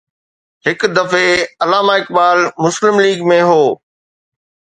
هڪ دفعي علامه اقبال مسلم ليگ ۾ هو.